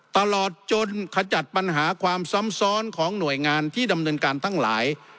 ตลอดจนขจัดปัญหาความซ้ำซ้อนของหน่วยงานที่ดำเนินการทั้งหลาย